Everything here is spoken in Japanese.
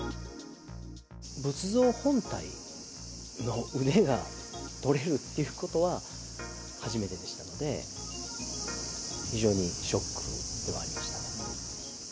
仏像本体の腕が取れるっていうことは、初めてでしたので、非常にショックではありましたね。